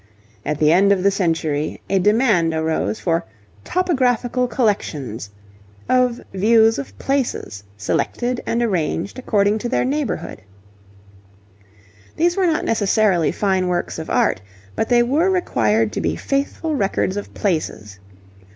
At the end of the century a demand arose for 'Topographical Collections,' of views of places, selected and arranged according to their neighbourhood. These were not necessarily fine works of art, but they were required to be faithful records of places.